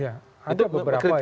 ada beberapa ya